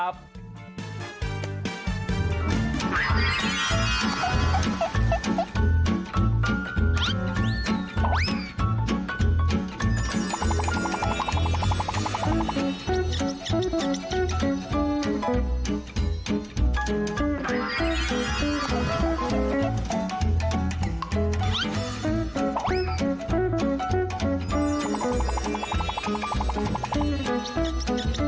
สวัสดีครับ